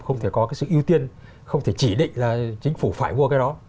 không thể có cái sự ưu tiên không thể chỉ định là chính phủ phải mua cái đó